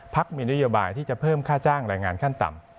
มีนโยบายที่จะเพิ่มค่าจ้างแรงงานขั้นต่ำ